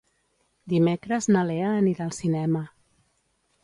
Dimecres na Lea anirà al cinema.